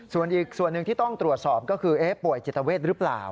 ส่วนอีกส่วนหนึ่งที่ต้องตรวจสอบก็คือป่วยจิตเวทหรือเปล่า